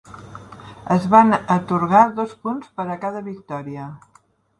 Es van atorgar dos punts per a cada victòria.